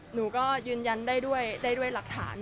หนูก็ยืนยันได้ด้วยได้ด้วยหลักฐาน